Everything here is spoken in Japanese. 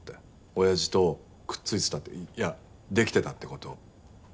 おやじとくっついてたっていやできてたって事を。